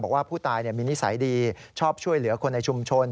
บอกว่าผู้ตายมีนิสัยดีชอบช่วยเหลือคนในชุมชน